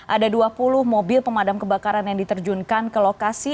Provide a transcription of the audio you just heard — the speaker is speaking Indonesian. ada dua puluh mobil pemadam kebakaran yang diterjunkan ke lokasi